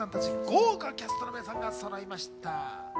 豪華キャストの皆さんがそろいました。